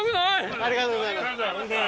・ありがとうございます。